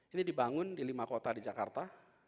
ini dibangun di lima kota di jakarta